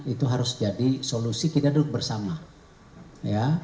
itu harus jadi solusi kita duduk bersama ya